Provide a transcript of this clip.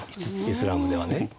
イスラームではね。